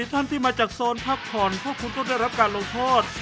ท่านที่มาจากโซนพักผ่อนพวกคุณก็ได้รับการลงโทษ